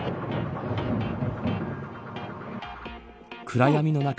暗闇の中